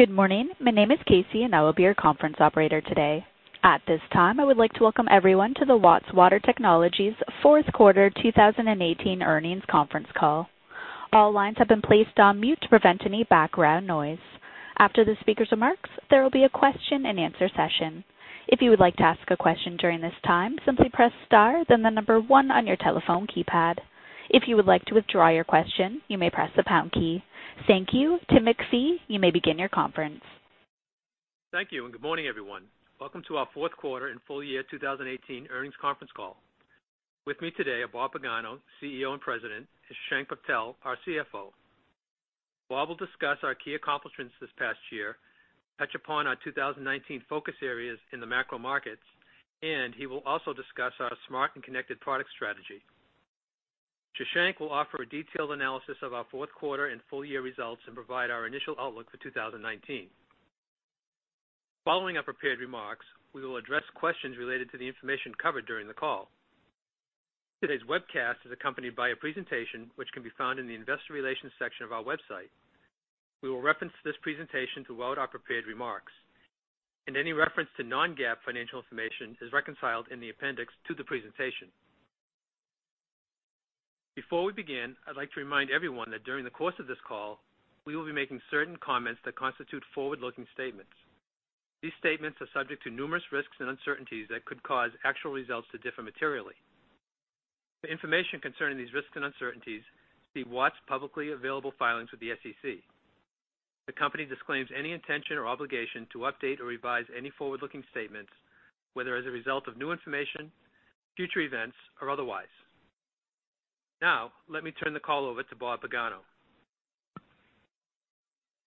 Good morning. My name is Casey, and I will be your conference operator today. At this time, I would like to welcome everyone to the Watts Water Technologies Fourth Quarter 2018 Earnings Conference Call. All lines have been placed on mute to prevent any background noise. After the speakers' remarks, there will be a question-and-answer session. If you would like to ask a question during this time, simply press star, then the number one on your telephone keypad. If you would like to withdraw your question, you may press the pound key. Thank you. Tim MacPhee, you may begin your conference. Thank you, and good morning, everyone. Welcome to our fourth quarter and full year 2018 earnings conference call. With me today are Bob Pagano, CEO and President, and Shashank Patel, our CFO. Bob will discuss our key accomplishments this past year, touch upon our 2019 focus areas in the macro markets, and he will also discuss our smart and connected product strategy. Shashank will offer a detailed analysis of our fourth quarter and full year results and provide our initial outlook for 2019. Following our prepared remarks, we will address questions related to the information covered during the call. Today's webcast is accompanied by a presentation which can be found in the investor relations section of our website. We will reference this presentation throughout our prepared remarks, and any reference to non-GAAP financial information is reconciled in the appendix to the presentation. Before we begin, I'd like to remind everyone that during the course of this call, we will be making certain comments that constitute forward-looking statements. These statements are subject to numerous risks and uncertainties that could cause actual results to differ materially. For information concerning these risks and uncertainties, see Watts' publicly available filings with the SEC. The company disclaims any intention or obligation to update or revise any forward-looking statements, whether as a result of new information, future events, or otherwise. Now, let me turn the call over to Bob Pagano.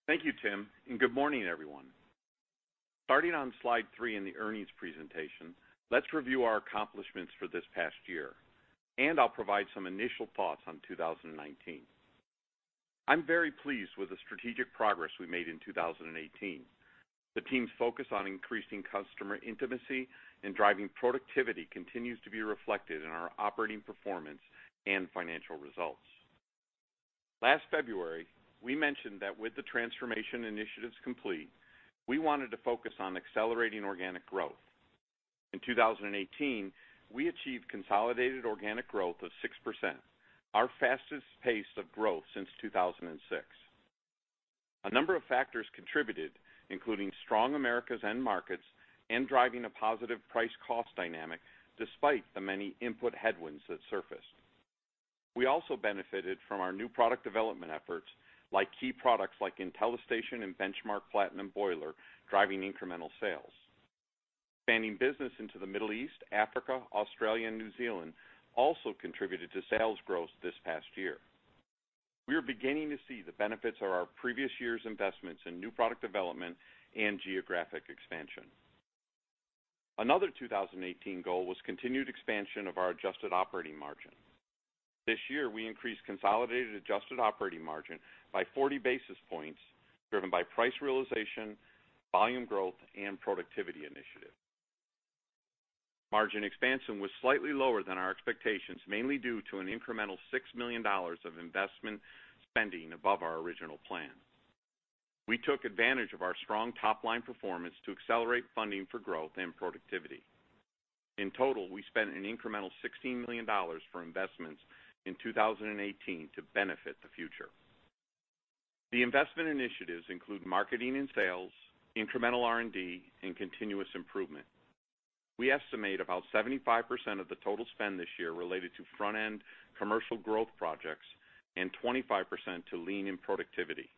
Thank you, Tim, and good morning, everyone. Starting on slide 3 in the earnings presentation, let's review our accomplishments for this past year, and I'll provide some initial thoughts on 2019. I'm very pleased with the strategic progress we made in 2018. The team's focus on increasing customer intimacy and driving productivity continues to be reflected in our operating performance and financial results. Last February, we mentioned that with the transformation initiatives complete, we wanted to focus on accelerating organic growth. In 2018, we achieved consolidated organic growth of 6%, our fastest pace of growth since 2006. A number of factors contributed, including strong Americas end markets and driving a positive price-cost dynamic despite the many input headwinds that surfaced. We also benefited from our new product development efforts, like key products like IntelliStation and Benchmark Platinum Boiler, driving incremental sales. Expanding business into the Middle East, Africa, Australia, and New Zealand also contributed to sales growth this past year. We are beginning to see the benefits of our previous year's investments in new product development and geographic expansion. Another 2018 goal was continued expansion of our adjusted operating margin. This year, we increased consolidated adjusted operating margin by 40 basis points, driven by price realization, volume growth, and productivity initiatives. Margin expansion was slightly lower than our expectations, mainly due to an incremental $60 million of investment spending above our original plan. We took advantage of our strong top-line performance to accelerate funding for growth and productivity. In total, we spent an incremental $16 million for investments in 2018 to benefit the future. The investment initiatives include marketing and sales, incremental R&D, and continuous improvement. We estimate about 75% of the total spend this year related to front-end commercial growth projects and 25% to lean in productivity.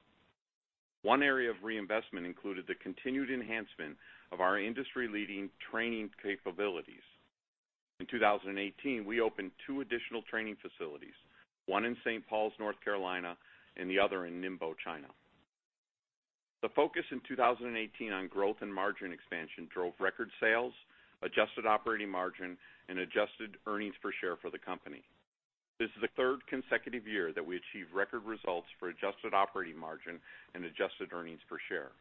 One area of reinvestment included the continued enhancement of our industry-leading training capabilities. In 2018, we opened two additional training facilities, one in St. Pauls, North Carolina, and the other in Ningbo, China. The focus in 2018 on growth and margin expansion drove record sales, adjusted operating margin, and adjusted earnings per share for the company. This is the third consecutive year that we achieved record results for adjusted operating margin and adjusted earnings per share.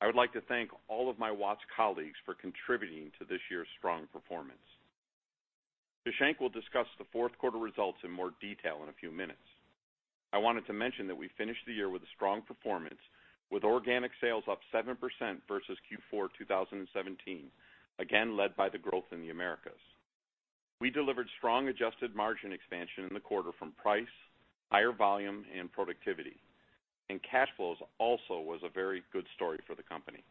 I would like to thank all of my Watts colleagues for contributing to this year's strong performance. Shashank will discuss the fourth quarter results in more detail in a few minutes. I wanted to mention that we finished the year with a strong performance, with organic sales up 7% versus Q4 2017, again led by the growth in the Americas. We delivered strong adjusted margin expansion in the quarter from price, higher volume, and productivity, and cash flows also was a very good story for the company.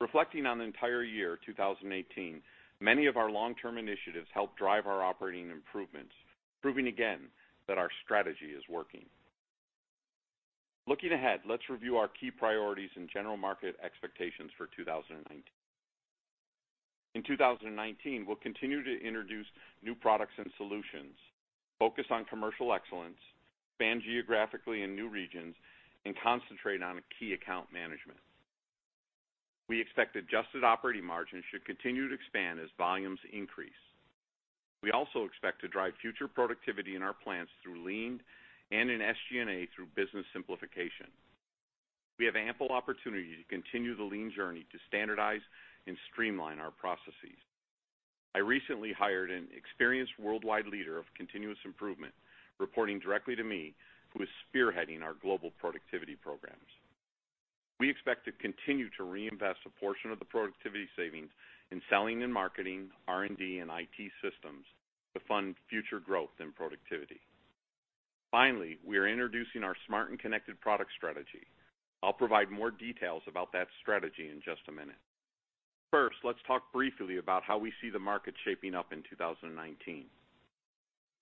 Reflecting on the entire year, 2018, many of our long-term initiatives helped drive our operating improvements, proving again that our strategy is working. Looking ahead, let's review our key priorities and general market expectations for 2019. In 2019, we'll continue to introduce new products and solutions, focus on commercial excellence, expand geographically in new regions, and concentrate on key account management. We expect adjusted operating margins should continue to expand as volumes increase. We also expect to drive future productivity in our plants through lean and in SG&A through business simplification. We have ample opportunity to continue the lean journey to standardize and streamline our processes. I recently hired an experienced worldwide leader of continuous improvement, reporting directly to me, who is spearheading our global productivity programs. We expect to continue to reinvest a portion of the productivity savings in selling and marketing, R&D, and IT systems to fund future growth and productivity. Finally, we are introducing our smart and connected product strategy. I'll provide more details about that strategy in just a minute. First, let's talk briefly about how we see the market shaping up in 2019.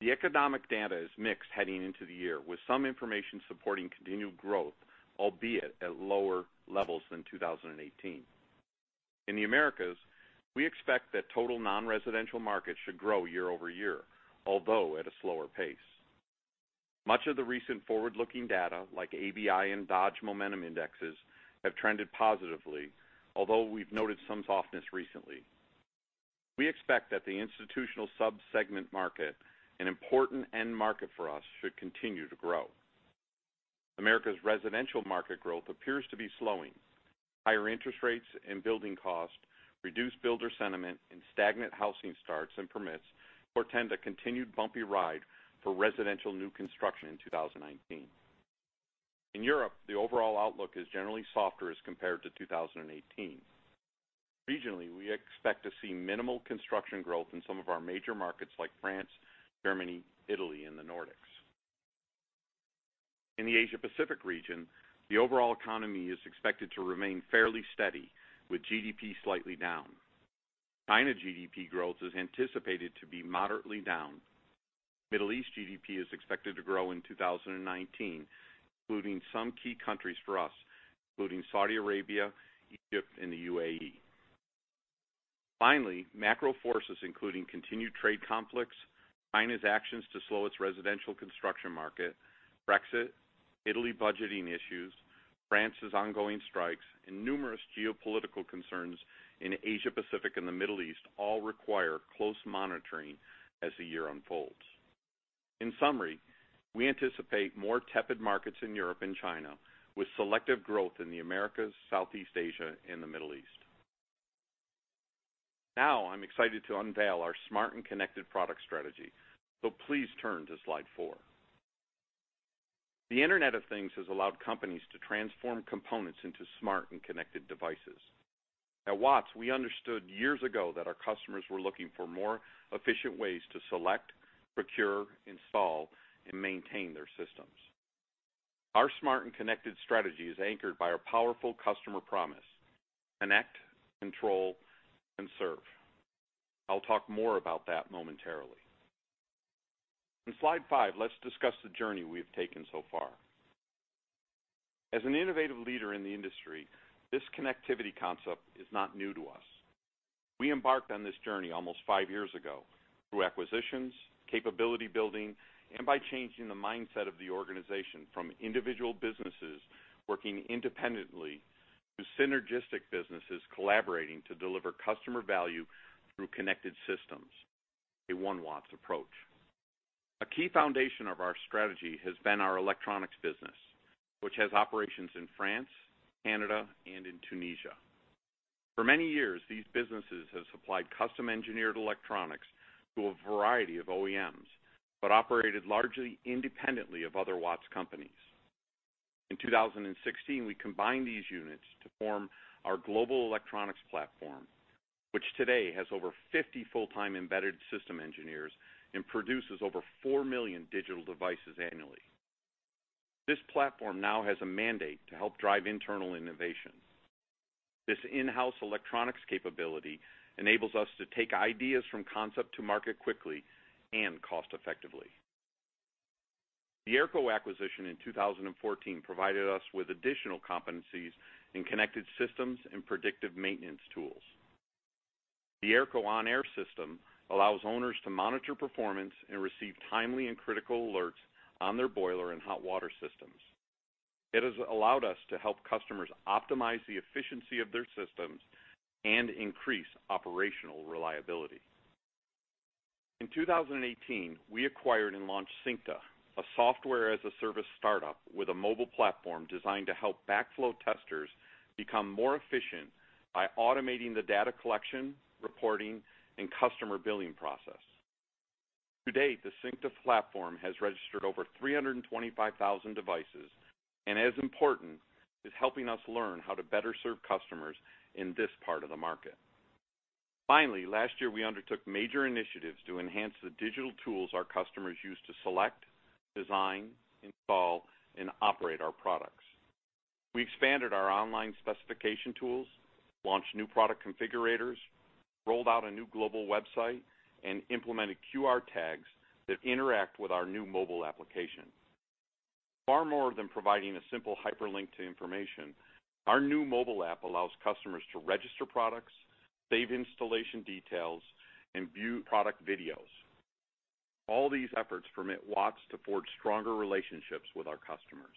The economic data is mixed heading into the year, with some information supporting continued growth, albeit at lower levels than 2018. In the Americas, we expect that total non-residential markets should grow year over year, although at a slower pace. Much of the recent forward-looking data, like ABI and Dodge Momentum Index, have trended positively, although we've noted some softness recently. We expect that the institutional sub-segment market, an important end market for us, should continue to grow. America's residential market growth appears to be slowing. Higher interest rates and building costs, reduced builder sentiment, and stagnant housing starts and permits portend a continued bumpy ride for residential new construction in 2019. In Europe, the overall outlook is generally softer as compared to 2018. Regionally, we expect to see minimal construction growth in some of our major markets like France, Germany, Italy, and the Nordics. In the Asia Pacific region, the overall economy is expected to remain fairly steady, with GDP slightly down. China GDP growth is anticipated to be moderately down. Middle East GDP is expected to grow in 2019, including some key countries for us, including Saudi Arabia, Egypt, and the UAE. Finally, macro forces, including continued trade conflicts, China's actions to slow its residential construction market, Brexit, Italy budgeting issues, France's ongoing strikes, and numerous geopolitical concerns in Asia Pacific and the Middle East, all require close monitoring as the year unfolds. In summary, we anticipate more tepid markets in Europe and China, with selective growth in the Americas, Southeast Asia, and the Middle East. Now, I'm excited to unveil our smart and connected product strategy. Please turn to slide 4. The Internet of Things has allowed companies to transform components into smart and connected devices. At Watts, we understood years ago that our customers were looking for more efficient ways to select, procure, install, and maintain their systems. Our smart and connected strategy is anchored by our powerful customer promise: Connect, control, and serve. I'll talk more about that momentarily. In slide 5, let's discuss the journey we have taken so far. As an innovative leader in the industry, this connectivity concept is not new to us. We embarked on this journey almost 5 years ago through acquisitions, capability building, and by changing the mindset of the organization from individual businesses working independently to synergistic businesses collaborating to deliver customer value through connected systems, a One Watts approach. A key foundation of our strategy has been our electronics business, which has operations in France, Canada, and in Tunisia. For many years, these businesses have supplied custom-engineered electronics to a variety of OEMs, but operated largely independently of other Watts companies. In 2016, we combined these units to form our global electronics platform, which today has over 50 full-time embedded system engineers and produces over 4 million digital devices annually. This platform now has a mandate to help drive internal innovation. This in-house electronics capability enables us to take ideas from concept to market quickly and cost effectively. The AERCO acquisition in 2014 provided us with additional competencies in connected systems and predictive maintenance tools. The AERCO onAER System allows owners to monitor performance and receive timely and critical alerts on their boiler and hot water systems. It has allowed us to help customers optimize the efficiency of their systems and increase operational reliability. In 2018, we acquired and launched Syncta, a software-as-a-service startup with a mobile platform designed to help backflow testers become more efficient by automating the data collection, reporting, and customer billing process. To date, the Syncta platform has registered over 325,000 devices, and as important, is helping us learn how to better serve customers in this part of the market. Finally, last year, we undertook major initiatives to enhance the digital tools our customers use to select, design, install, and operate our products. We expanded our online specification tools, launched new product configurators, rolled out a new global website, and implemented QR tags that interact with our new mobile application. Far more than providing a simple hyperlink to information, our new mobile app allows customers to register products, save installation details, and view product videos. All these efforts permit Watts to forge stronger relationships with our customers.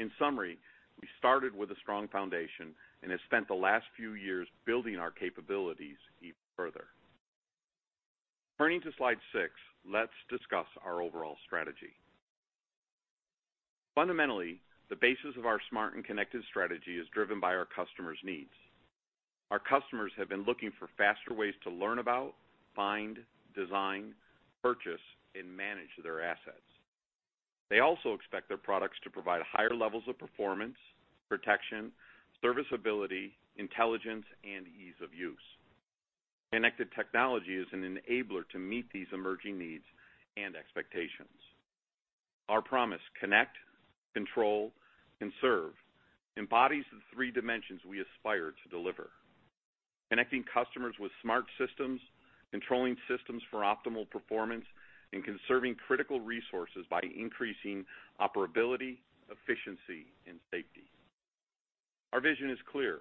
In summary, we started with a strong foundation and have spent the last few years building our capabilities even further. Turning to slide six, let's discuss our overall strategy. Fundamentally, the basis of our Smart and Connected strategy is driven by our customers' needs. Our customers have been looking for faster ways to learn about, find, design, purchase, and manage their assets. They also expect their products to provide higher levels of performance, protection, serviceability, intelligence, and ease of use. Connected technology is an enabler to meet these emerging needs and expectations. Our promise, Connect, Control, Conserve, embodies the three dimensions we aspire to deliver. Connecting customers with smart systems, controlling systems for optimal performance, and conserving critical resources by increasing operability, efficiency, and safety. Our vision is clear,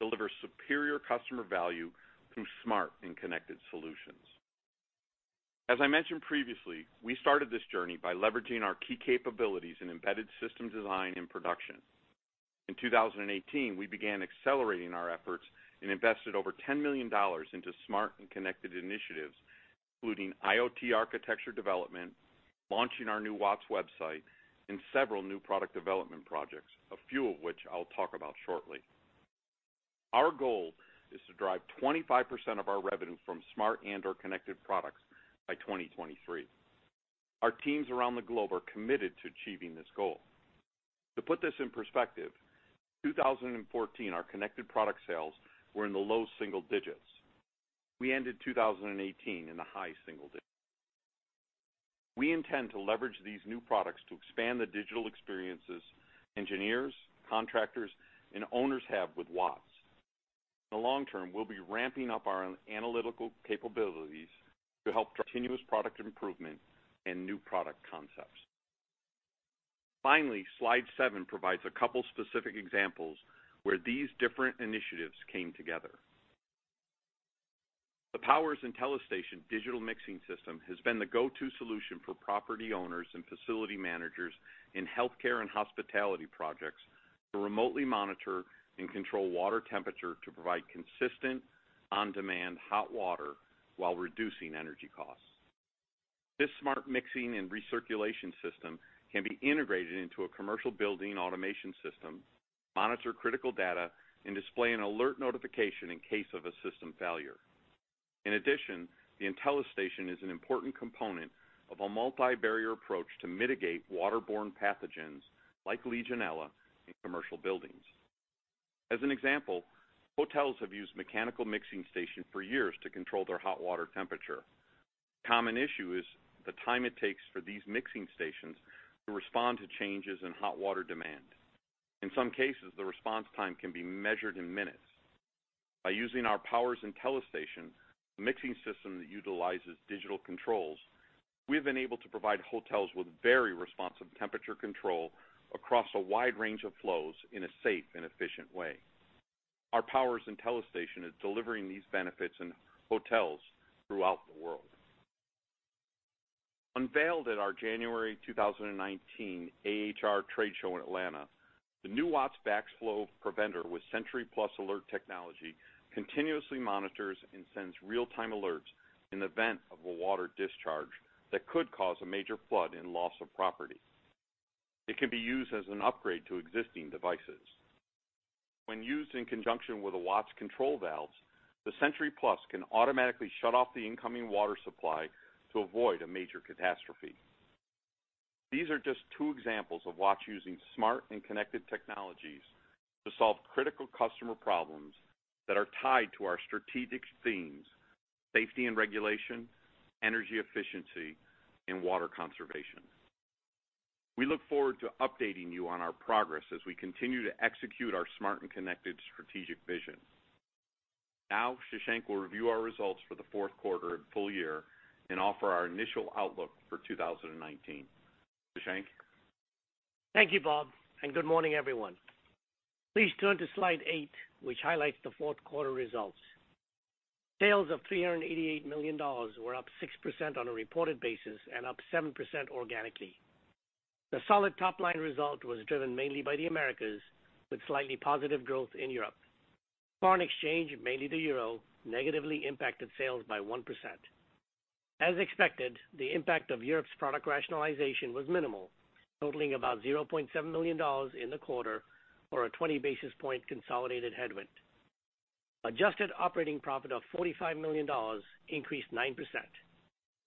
deliver superior customer value through smart and connected solutions. As I mentioned previously, we started this journey by leveraging our key capabilities in embedded system design and production. In 2018, we began accelerating our efforts and invested over $10 million into smart and connected initiatives, including IoT architecture development, launching our new Watts website, and several new product development projects, a few of which I'll talk about shortly. Our goal is to drive 25% of our revenue from smart and/or connected products by 2023. Our teams around the globe are committed to achieving this goal. To put this in perspective, 2014, our connected product sales were in the low single digits. We ended 2018 in the high single digits. We intend to leverage these new products to expand the digital experiences engineers, contractors, and owners have with Watts. In the long term, we'll be ramping up our analytical capabilities to help continuous product improvement and new product concepts. Finally, slide 7 provides a couple specific examples where these different initiatives came together. The Powers IntelliStation digital mixing system has been the go-to solution for property owners and facility managers in healthcare and hospitality projects to remotely monitor and control water temperature to provide consistent, on-demand hot water while reducing energy costs. This smart mixing and recirculation system can be integrated into a commercial building automation system, monitor critical data, and display an alert notification in case of a system failure. In addition, the IntelliStation is an important component of a multi-barrier approach to mitigate waterborne pathogens, like Legionella, in commercial buildings. As an example, hotels have used mechanical mixing stations for years to control their hot water temperature. Common issue is the time it takes for these mixing stations to respond to changes in hot water demand. In some cases, the response time can be measured in minutes. By using our Powers IntelliStation, a mixing system that utilizes digital controls, we've been able to provide hotels with very responsive temperature control across a wide range of flows in a safe and efficient way. Our Powers IntelliStation is delivering these benefits in hotels throughout the world. Unveiled at our January 2019 AHR Trade Show in Atlanta, the new Watts backflow preventer with SentryPlus alert technology continuously monitors and sends real-time alerts in the event of a water discharge that could cause a major flood and loss of property. It can be used as an upgrade to existing devices. When used in conjunction with the Watts control valves, the SentryPlus can automatically shut off the incoming water supply to avoid a major catastrophe. These are just two examples of Watts using smart and connected technologies to solve critical customer problems that are tied to our strategic themes: safety and regulation, energy efficiency, and water conservation. We look forward to updating you on our progress as we continue to execute our smart connected strategic vision. Now, Shashank will review our results for the fourth quarter and full year and offer our initial outlook for 2019. Shashank? Thank you, Bob, and good morning, everyone. Please turn to slide 8, which highlights the fourth quarter results. Sales of $388 million were up 6% on a reported basis and up 7% organically. The solid top-line result was driven mainly by the Americas, with slightly positive growth in Europe. Foreign exchange, mainly the euro, negatively impacted sales by 1%. As expected, the impact of Europe's product rationalization was minimal, totaling about $0.7 million in the quarter or a 20 basis point consolidated headwind. Adjusted operating profit of $45 million increased 9%.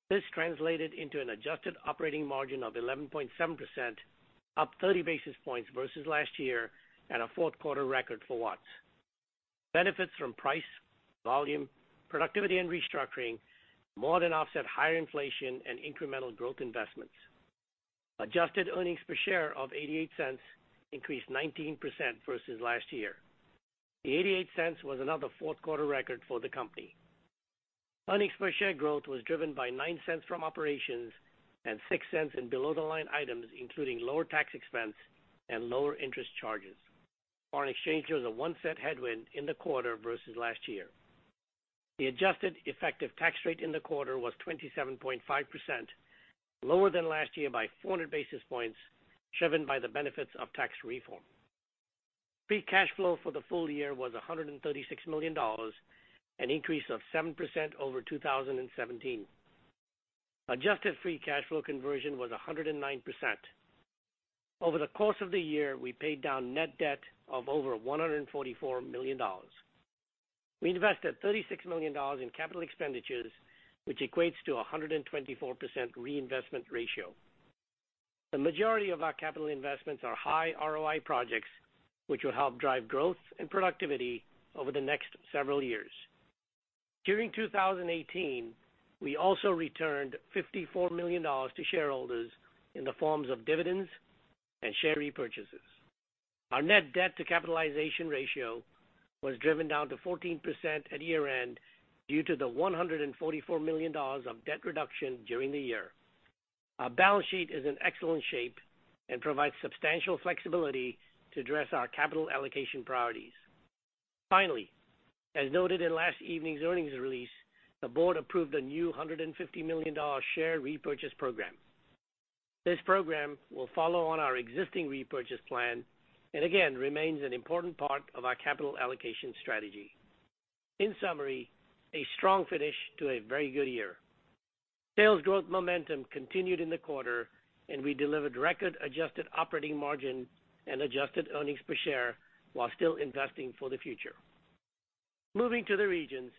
This translated into an adjusted operating margin of 11.7%, up 30 basis points versus last year at a fourth quarter record for Watts. Benefits from price, volume, productivity, and restructuring more than offset higher inflation and incremental growth investments. Adjusted earnings per share of $0.88 increased 19% versus last year. The $0.88 was another fourth quarter record for the company. Earnings per share growth was driven by $0.09 from operations and $0.06 in below-the-line items, including lower tax expense and lower interest charges. Foreign exchange was a $0.01 headwind in the quarter versus last year. The adjusted effective tax rate in the quarter was 27.5%, lower than last year by 400 basis points, driven by the benefits of tax reform.... Free cash flow for the full year was $136 million, an increase of 7% over 2017. Adjusted free cash flow conversion was 109%. Over the course of the year, we paid down net debt of over $144 million. We invested $36 million in capital expenditures, which equates to 124% reinvestment ratio. The majority of our capital investments are high ROI projects, which will help drive growth and productivity over the next several years. During 2018, we also returned $54 million to shareholders in the forms of dividends and share repurchases. Our net debt to capitalization ratio was driven down to 14% at year-end due to the $144 million of debt reduction during the year. Our balance sheet is in excellent shape and provides substantial flexibility to address our capital allocation priorities. Finally, as noted in last evening's earnings release, the board approved a new $150 million share repurchase program. This program will follow on our existing repurchase plan and, again, remains an important part of our capital allocation strategy. In summary, a strong finish to a very good year. Sales growth momentum continued in the quarter, and we delivered record adjusted operating margin and adjusted earnings per share, while still investing for the future. Moving to the regions,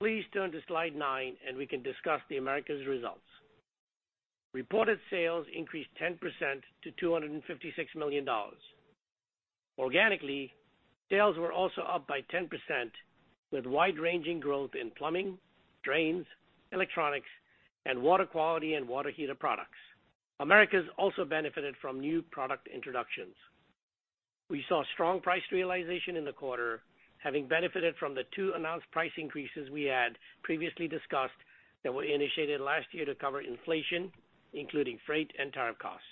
please turn to slide nine, and we can discuss the Americas results. Reported sales increased 10% to $256 million. Organically, sales were also up by 10%, with wide-ranging growth in plumbing, drains, electronics, and water quality and water heater products. Americas also benefited from new product introductions. We saw strong price realization in the quarter, having benefited from the two announced price increases we had previously discussed that were initiated last year to cover inflation, including freight and tariff costs.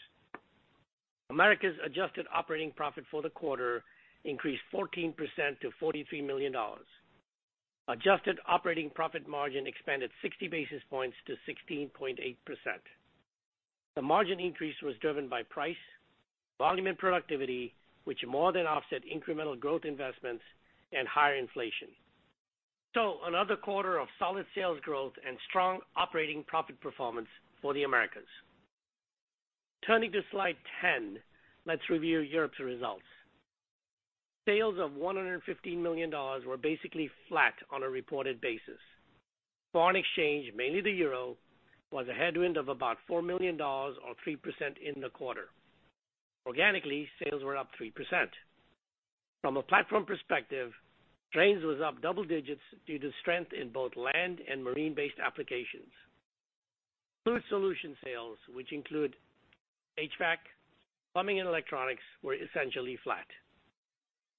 Americas' adjusted operating profit for the quarter increased 14% to $43 million. Adjusted operating profit margin expanded 60 basis points to 16.8%. The margin increase was driven by price, volume, and productivity, which more than offset incremental growth investments and higher inflation. So another quarter of solid sales growth and strong operating profit performance for the Americas. Turning to slide 10, let's review Europe's results. Sales of $115 million were basically flat on a reported basis. Foreign exchange, mainly the euro, was a headwind of about $4 million, or 3% in the quarter. Organically, sales were up 3%. From a platform perspective, drains was up double digits due to strength in both land and marine-based applications. Fluid solution sales, which include HVAC, plumbing, and electronics, were essentially flat.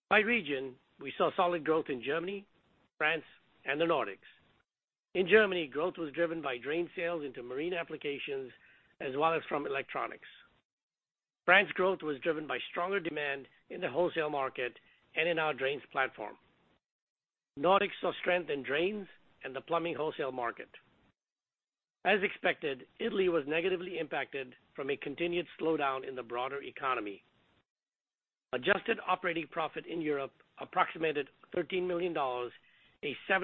By region, we saw solid growth in Germany, France, and the Nordics. In Germany, growth was driven by drain sales into marine applications as well as from electronics. France growth was driven by stronger demand in the wholesale market and in our drains platform. Nordics saw strength in drains and the plumbing wholesale market. As expected, Italy was negatively impacted from a continued slowdown in the broader economy. Adjusted operating profit in Europe approximated $13 million, a 7%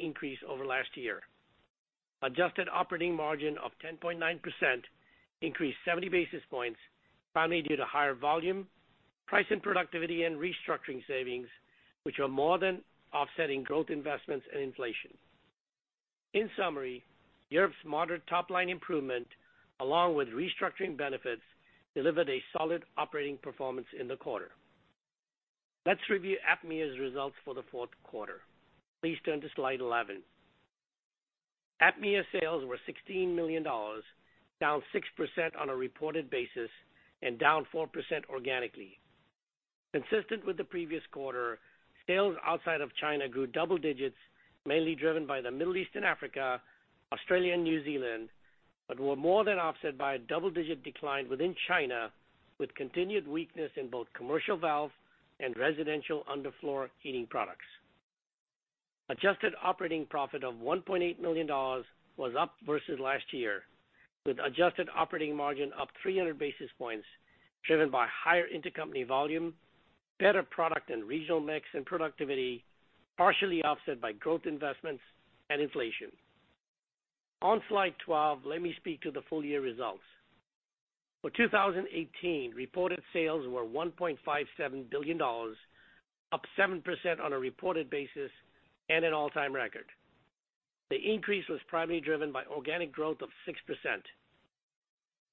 increase over last year. Adjusted operating margin of 10.9% increased 70 basis points, primarily due to higher volume, price and productivity, and restructuring savings, which are more than offsetting growth investments and inflation. In summary, Europe's moderate top-line improvement, along with restructuring benefits, delivered a solid operating performance in the quarter. Let's review APMEA's results for the fourth quarter. Please turn to slide 11. APMEA sales were $16 million, down 6% on a reported basis and down 4% organically. Consistent with the previous quarter, sales outside of China grew double digits, mainly driven by the Middle East and Africa, Australia, and New Zealand, but were more than offset by a double-digit decline within China, with continued weakness in both commercial valve and residential underfloor heating products. Adjusted operating profit of $1.8 million was up versus last year, with adjusted operating margin up 300 basis points, driven by higher intercompany volume, better product and regional mix, and productivity, partially offset by growth investments and inflation. On slide 12, let me speak to the full-year results. For 2018, reported sales were $1.57 billion, up 7% on a reported basis and an all-time record. The increase was primarily driven by organic growth of 6%.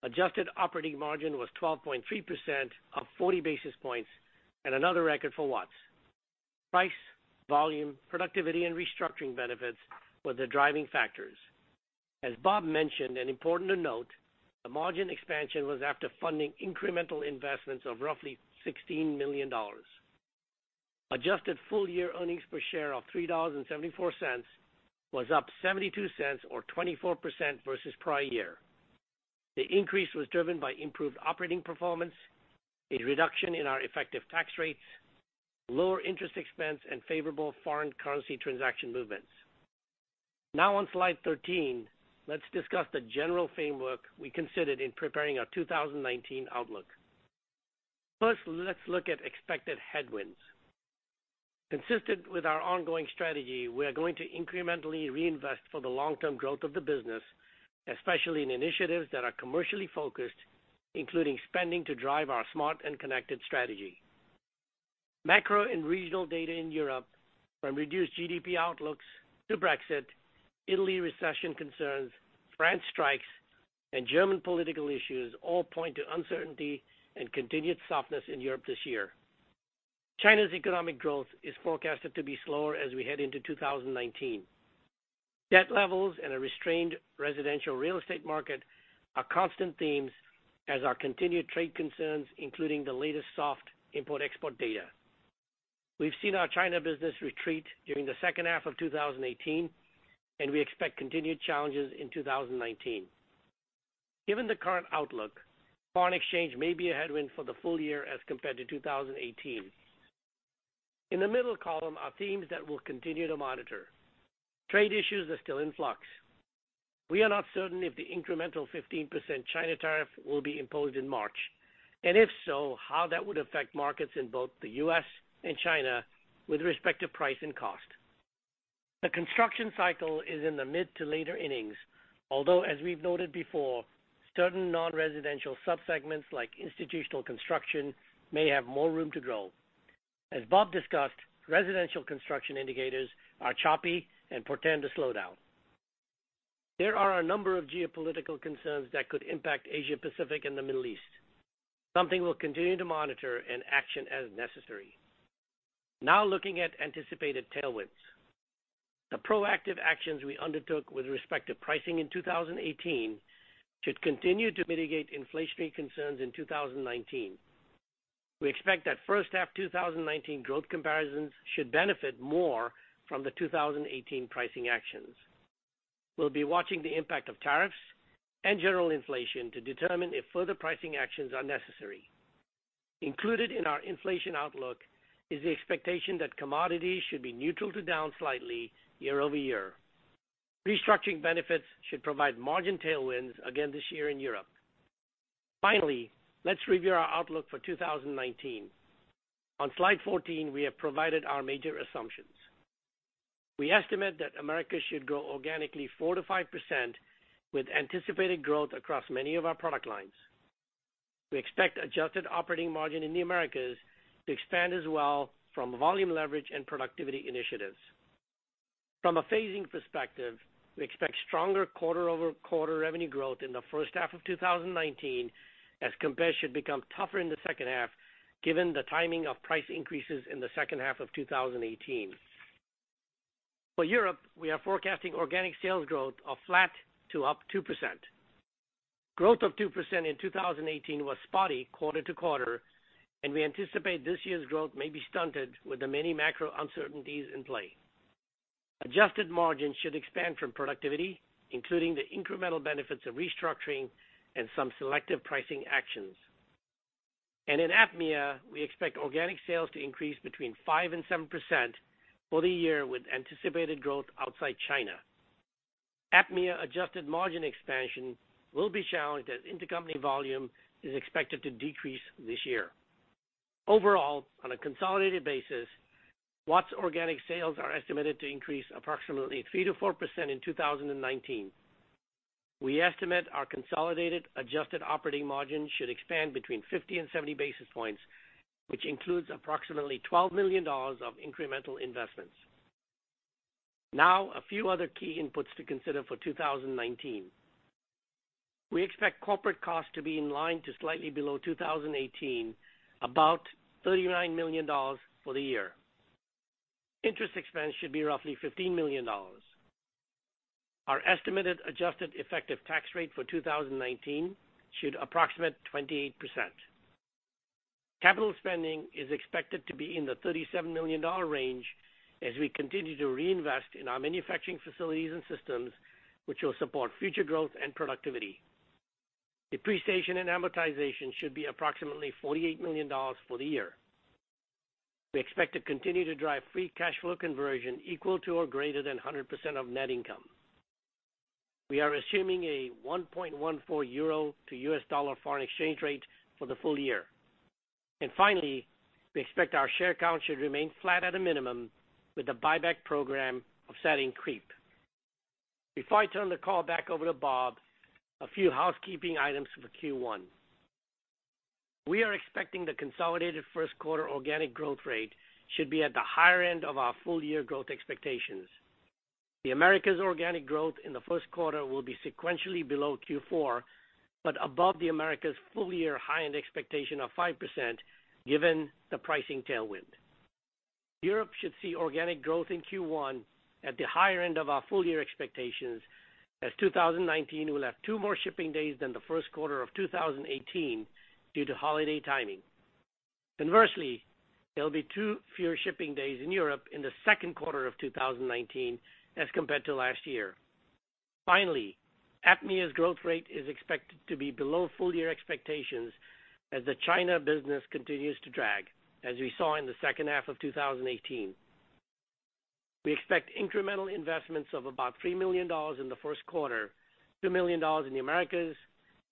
Adjusted operating margin was 12.3%, up 40 basis points, and another record for Watts. Price, volume, productivity, and restructuring benefits were the driving factors. As Bob mentioned, and important to note, the margin expansion was after funding incremental investments of roughly $16 million. Adjusted full-year earnings per share of $3.74 was up $0.72 or 24% versus prior year. The increase was driven by improved operating performance, a reduction in our effective tax rates, lower interest expense, and favorable foreign currency transaction movements.... Now on Slide 13, let's discuss the general framework we considered in preparing our 2019 outlook. First, let's look at expected headwinds. Consistent with our ongoing strategy, we are going to incrementally reinvest for the long-term growth of the business, especially in initiatives that are commercially focused, including spending to drive our smart and connected strategy. Macro and regional data in Europe, from reduced GDP outlooks to Brexit, Italy recession concerns, France strikes, and German political issues, all point to uncertainty and continued softness in Europe this year. China's economic growth is forecasted to be slower as we head into 2019. Debt levels and a restrained residential real estate market are constant themes, as are continued trade concerns, including the latest soft import-export data. We've seen our China business retreat during the second half of 2018, and we expect continued challenges in 2019. Given the current outlook, foreign exchange may be a headwind for the full year as compared to 2018. In the middle column are themes that we'll continue to monitor. Trade issues are still in flux. We are not certain if the incremental 15% China tariff will be imposed in March, and if so, how that would affect markets in both the U.S. and China with respect to price and cost. The construction cycle is in the mid to later innings, although, as we've noted before, certain non-residential subsegments, like institutional construction, may have more room to grow. As Bob discussed, residential construction indicators are choppy and portend a slowdown. There are a number of geopolitical concerns that could impact Asia-Pacific and the Middle East, something we'll continue to monitor and action as necessary. Now looking at anticipated tailwinds. The proactive actions we undertook with respect to pricing in 2018 should continue to mitigate inflationary concerns in 2019. We expect that first half 2019 growth comparisons should benefit more from the 2018 pricing actions. We'll be watching the impact of tariffs and general inflation to determine if further pricing actions are necessary. Included in our inflation outlook is the expectation that commodities should be neutral to down slightly year-over-year. Restructuring benefits should provide margin tailwinds again this year in Europe. Finally, let's review our outlook for 2019. On Slide 14, we have provided our major assumptions. We estimate that Americas should grow organically 4%-5%, with anticipated growth across many of our product lines. We expect adjusted operating margin in the Americas to expand as well from volume leverage and productivity initiatives. From a phasing perspective, we expect stronger quarter-over-quarter revenue growth in the first half of 2019, as compares should become tougher in the second half, given the timing of price increases in the second half of 2018. For Europe, we are forecasting organic sales growth of flat to up 2%. Growth of 2% in 2018 was spotty quarter-to-quarter, and we anticipate this year's growth may be stunted with the many macro uncertainties in play. Adjusted margins should expand from productivity, including the incremental benefits of restructuring and some selective pricing actions. And in APMEA, we expect organic sales to increase between 5% and 7% for the year, with anticipated growth outside China. APMEA adjusted margin expansion will be challenged, as intercompany volume is expected to decrease this year. Overall, on a consolidated basis, Watts' organic sales are estimated to increase approximately 3%-4% in 2019. We estimate our consolidated adjusted operating margin should expand between 50-70 basis points, which includes approximately $12 million of incremental investments. Now, a few other key inputs to consider for 2019. We expect corporate costs to be in line to slightly below 2018, about $39 million for the year. Interest expense should be roughly $15 million. Our estimated adjusted effective tax rate for 2019 should approximate 28%. Capital spending is expected to be in the $37 million range as we continue to reinvest in our manufacturing facilities and systems, which will support future growth and productivity. Depreciation and amortization should be approximately $48 million for the year. We expect to continue to drive free cash flow conversion equal to or greater than 100% of net income. We are assuming a 1.14 euro to US dollar foreign exchange rate for the full year. And finally, we expect our share count should remain flat at a minimum, with the buyback program of selling creep. Before I turn the call back over to Bob, a few housekeeping items for Q1. We are expecting the consolidated first quarter organic growth rate should be at the higher end of our full year growth expectations. The Americas organic growth in the first quarter will be sequentially below Q4, but above the Americas' full-year high-end expectation of 5%, given the pricing tailwind. Europe should see organic growth in Q1 at the higher end of our full-year expectations, as 2019 will have 2 more shipping days than the first quarter of 2018 due to holiday timing. Conversely, there will be 2 fewer shipping days in Europe in the second quarter of 2019 as compared to last year. Finally, APMEA's growth rate is expected to be below full year expectations as the China business continues to drag, as we saw in the second half of 2018. We expect incremental investments of about $3 million in the first quarter, $2 million in the Americas,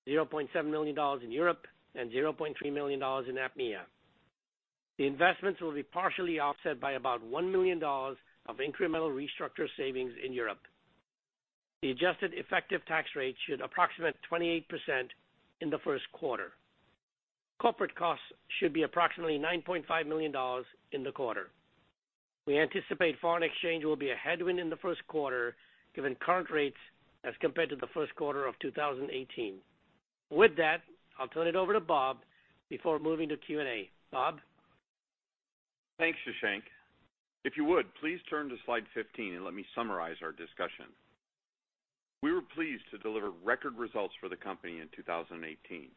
$0.7 million in Europe, and $0.3 million in APMEA. The investments will be partially offset by about $1 million of incremental restructure savings in Europe. The adjusted effective tax rate should approximate 28% in the first quarter. Corporate costs should be approximately $9.5 million in the quarter. We anticipate foreign exchange will be a headwind in the first quarter, given current rates as compared to the first quarter of 2018. With that, I'll turn it over to Bob before moving to Q&A. Bob? Thanks, Shashank. If you would, please turn to slide 15 and let me summarize our discussion. We were pleased to deliver record results for the company in 2018.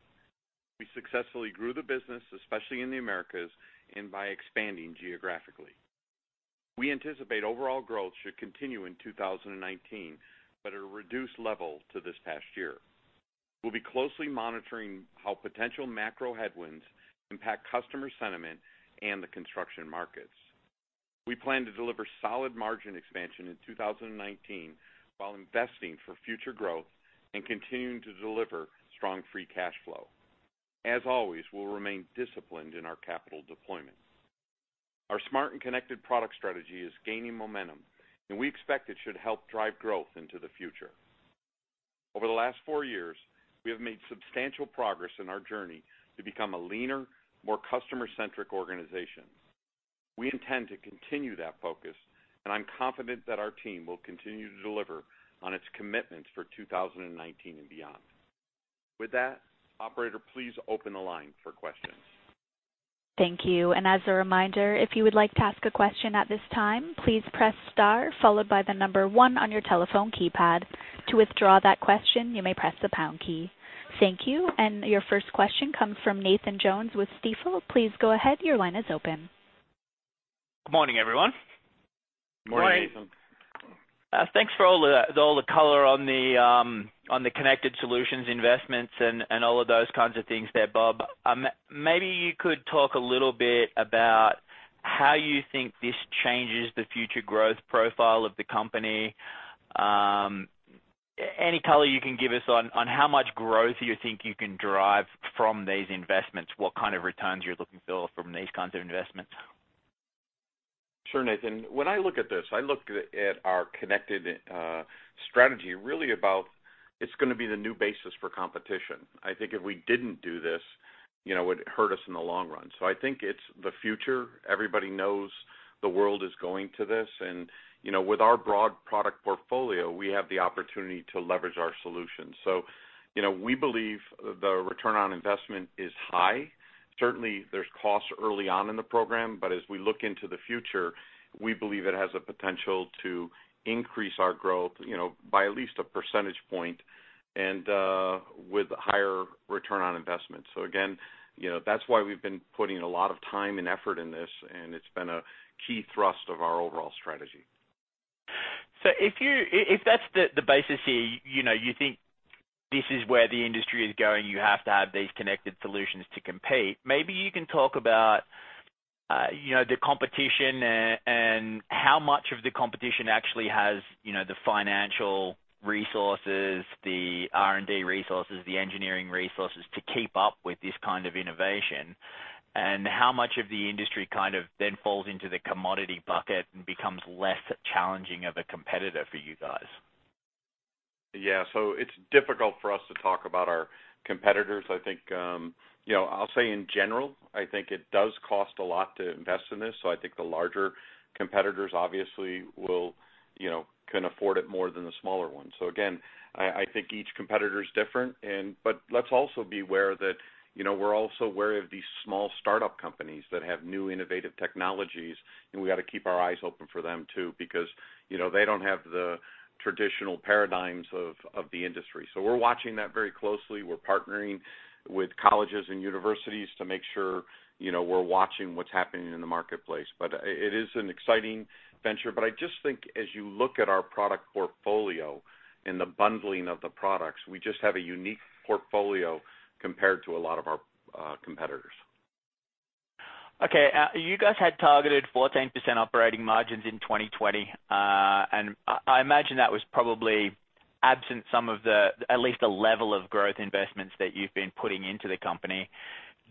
We successfully grew the business, especially in the Americas, and by expanding geographically. We anticipate overall growth should continue in 2019, but at a reduced level to this past year. We'll be closely monitoring how potential macro headwinds impact customer sentiment and the construction markets. We plan to deliver solid margin expansion in 2019, while investing for future growth and continuing to deliver strong free cash flow. As always, we'll remain disciplined in our capital deployment. Our smart and connected product strategy is gaining momentum, and we expect it should help drive growth into the future. Over the last four years, we have made substantial progress in our journey to become a leaner, more customer-centric organization. We intend to continue that focus, and I'm confident that our team will continue to deliver on its commitments for 2019 and beyond. With that, operator, please open the line for questions. Thank you. And as a reminder, if you would like to ask a question at this time, please press star, followed by the number one on your telephone keypad. To withdraw that question, you may press the pound key. Thank you. And your first question comes from Nathan Jones with Stifel. Please go ahead. Your line is open. Good morning, everyone. Good morning, Nathan. Good morning. Thanks for all the, all the color on the, on the connected solutions investments and, and all of those kinds of things there, Bob. Maybe you could talk a little bit about how you think this changes the future growth profile of the company. Any color you can give us on, on how much growth you think you can derive from these investments, what kind of returns you're looking for from these kinds of investments? Sure, Nathan. When I look at this, I look at our connected strategy really about it's gonna be the new basis for competition. I think if we didn't do this, you know, it would hurt us in the long run. So I think it's the future. Everybody knows the world is going to this, and, you know, with our broad product portfolio, we have the opportunity to leverage our solutions. So, you know, we believe the return on investment is high. Certainly, there's costs early on in the program, but as we look into the future, we believe it has a potential to increase our growth, you know, by at least a percentage point and with higher return on investment. So again, you know, that's why we've been putting a lot of time and effort in this, and it's been a key thrust of our overall strategy. So if that's the basis here, you know, you think this is where the industry is going, you have to have these connected solutions to compete. Maybe you can talk about, you know, the competition and how much of the competition actually has, you know, the financial resources, the R&D resources, the engineering resources to keep up with this kind of innovation, and how much of the industry kind of then falls into the commodity bucket and becomes less challenging of a competitor for you guys? Yeah. So it's difficult for us to talk about our competitors. I think, you know, I'll say in general, I think it does cost a lot to invest in this, so I think the larger competitors obviously will, you know, can afford it more than the smaller ones. So again, I, I think each competitor is different and... But let's also be aware that, you know, we're also wary of these small startup companies that have new, innovative technologies, and we gotta keep our eyes open for them, too, because, you know, they don't have the traditional paradigms of, of the industry. So we're watching that very closely. We're partnering with colleges and universities to make sure, you know, we're watching what's happening in the marketplace. But, it is an exciting venture, but I just think as you look at our product portfolio and the bundling of the products, we just have a unique portfolio compared to a lot of our competitors. Okay, you guys had targeted 14% operating margins in 2020, and I, I imagine that was probably absent some of the, at least the level of growth investments that you've been putting into the company.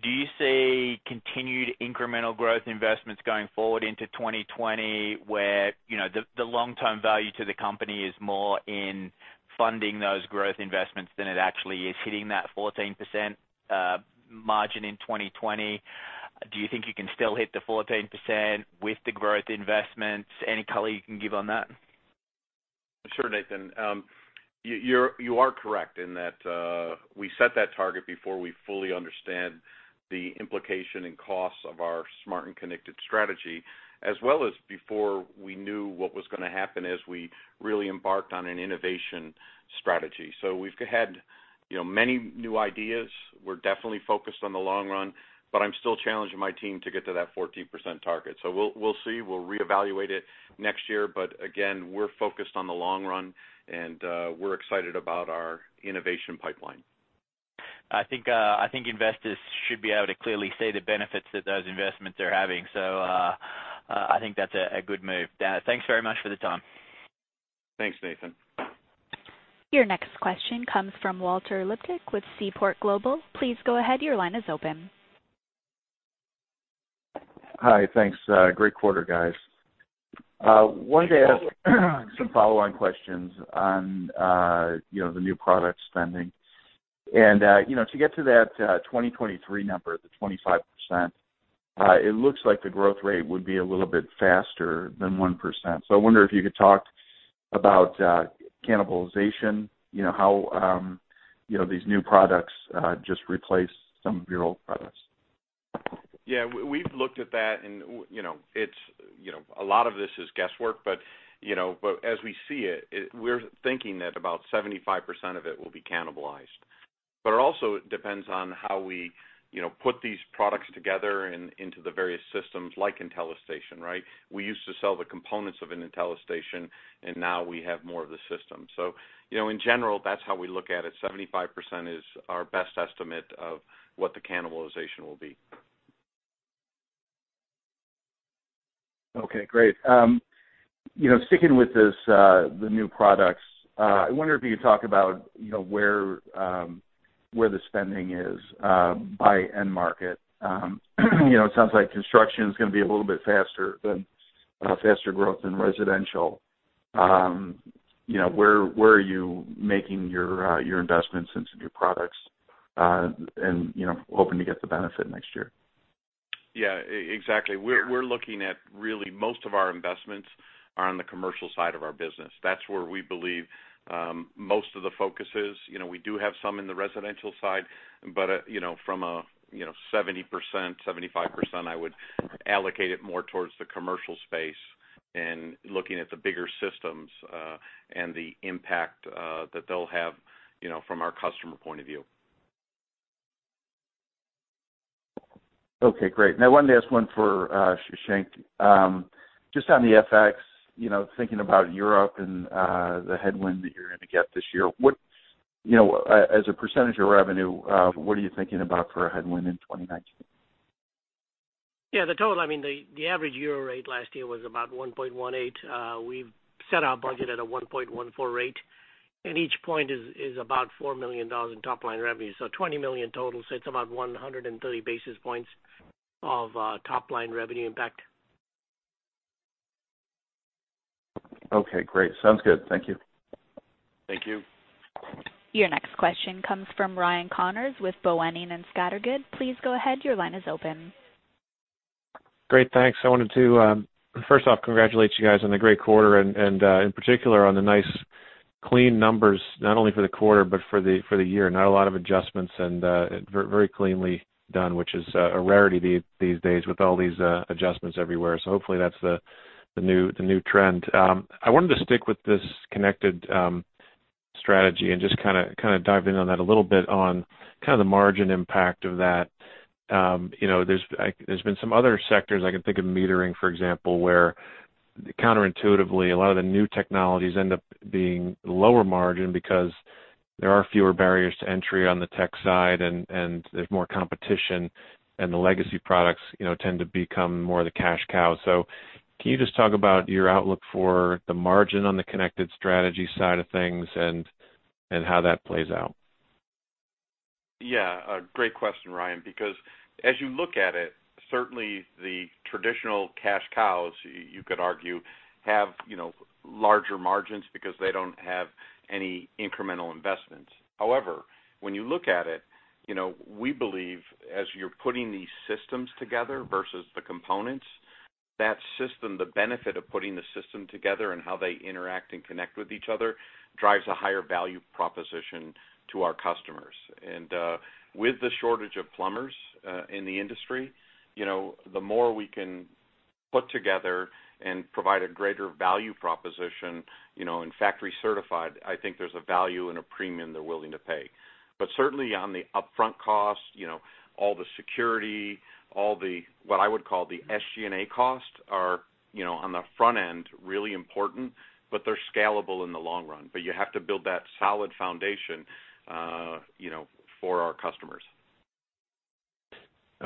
Do you see continued incremental growth investments going forward into 2020, where, you know, the, the long-term value to the company is more in funding those growth investments than it actually is hitting that 14% margin in 2020? Do you think you can still hit the 14% with the growth investments? Any color you can give on that? Sure, Nathan. You are correct in that we set that target before we fully understand the implication and costs of our smart and connected strategy, as well as before we knew what was gonna happen as we really embarked on an innovation strategy. So we've had, You know, many new ideas. We're definitely focused on the long run, but I'm still challenging my team to get to that 14% target. So we'll, we'll see. We'll reevaluate it next year, but again, we're focused on the long run, and we're excited about our innovation pipeline. I think, I think investors should be able to clearly see the benefits that those investments are having. So, I think that's a good move. Dan, thanks very much for the time. Thanks, Nathan. Your next question comes from Walter Liptak with Seaport Global. Please go ahead. Your line is open. Hi, thanks. Great quarter, guys. Wanted to ask some follow-on questions on, you know, the new product spending. And, you know, to get to that, 2023 number, the 25%, it looks like the growth rate would be a little bit faster than 1%. So I wonder if you could talk about, you know, cannibalization, how, you know, these new products just replace some of your old products. Yeah, we've looked at that, and you know, it's, you know, a lot of this is guesswork, but, you know, but as we see it, it, we're thinking that about 75% of it will be cannibalized. But it also depends on how we, you know, put these products together in, into the various systems like IntelliStation, right? We used to sell the components of an IntelliStation, and now we have more of the system. So, you know, in general, that's how we look at it. 75% is our best estimate of what the cannibalization will be. Okay, great. You know, sticking with this, the new products, I wonder if you could talk about, you know, where the spending is by end market. You know, it sounds like construction is gonna be a little bit faster growth than residential. You know, where are you making your investments into new products, and, you know, hoping to get the benefit next year? Yeah, exactly. We're looking at really, most of our investments are on the commercial side of our business. That's where we believe most of the focus is. You know, we do have some in the residential side, but you know, from a you know, 70%-75%, I would allocate it more towards the commercial space and looking at the bigger systems and the impact that they'll have, you know, from our customer point of view. Okay, great. Now, one last one for Shashank. Just on the FX, you know, thinking about Europe and the headwind that you're gonna get this year, you know, as a percentage of revenue, what are you thinking about for a headwind in 2019? Yeah, the total, I mean, the average euro rate last year was about 1.18. We've set our budget at a 1.14 rate, and each point is about $4 million in top-line revenue, so $20 million total. So it's about 130 basis points of top-line revenue impact. Okay, great. Sounds good. Thank you. Thank you. Your next question comes from Ryan Connors with Boenning & Scattergood. Please go ahead. Your line is open. Great, thanks. I wanted to first off congratulate you guys on the great quarter and, in particular, on the nice clean numbers, not only for the quarter, but for the year. Not a lot of adjustments and very cleanly done, which is a rarity these days with all these adjustments everywhere. So hopefully, that's the new trend. I wanted to stick with this connected strategy and just kinda dive in on that a little bit on kind of the margin impact of that. You know, there's been some other sectors I can think of, metering, for example, where counterintuitively a lot of the new technologies end up being lower margin because there are fewer barriers to entry on the tech side, and there's more competition, and the legacy products, you know, tend to become more the cash cow. So can you just talk about your outlook for the margin on the connected strategy side of things and how that plays out? Yeah, a great question, Ryan, because as you look at it, certainly the traditional cash cows, you could argue, have, you know, larger margins because they don't have any incremental investments. However, when you look at it, you know, we believe as you're putting these systems together versus the components, that system, the benefit of putting the system together and how they interact and connect with each other, drives a higher value proposition to our customers. And with the shortage of plumbers in the industry, you know, the more we can put together and provide a greater value proposition, you know, and factory certified, I think there's a value and a premium they're willing to pay. But certainly on the upfront cost, you know, all the security, all the, what I would call the SG&A costs are, you know, on the front end, really important, but they're scalable in the long run. But you have to build that solid foundation, you know, for our customers.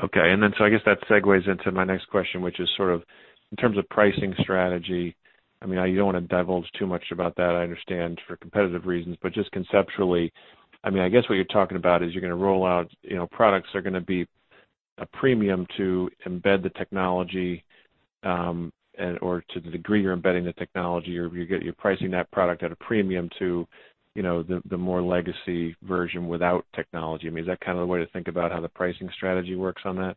Okay, and then so I guess that segues into my next question, which is sort of in terms of pricing strategy. I mean, you don't want to divulge too much about that, I understand, for competitive reasons. But just conceptually, I mean, I guess what you're talking about is you're gonna roll out, you know, products that are gonna be a premium to embed the technology, and or to the degree you're embedding the technology, or you're pricing that product at a premium to, you know, the, the more legacy version without technology. I mean, is that kind of the way to think about how the pricing strategy works on that?